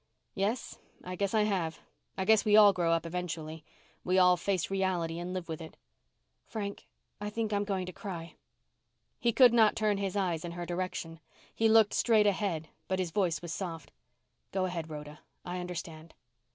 "Yes, I guess I have. I guess we all grow up eventually. We all face reality and live with it." "Frank I think I'm going to cry." He could not turn his eyes in her direction. He looked straight ahead but his voice was soft. "Go ahead, Rhoda. I understand."